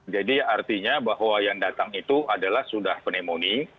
jadi artinya bahwa yang datang itu adalah sudah penemoni